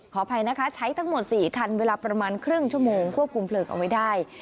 ขออภัยนะคะใช้ทั้งหมด๔คันเวลาประมาณครึ่งชั่วโมงควบคุมเพลิงเอาไว้ได้